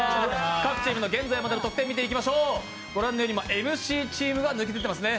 各チームの現在までの得点を見ていきましょうご覧のとおりＭＣチームが抜け出てますね。